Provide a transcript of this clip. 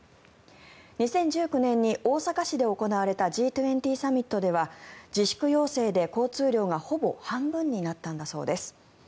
２０１９年に大阪市で行われたＧ２０サミットでは自粛要請で交通量がほぼ半分になったそうなんです。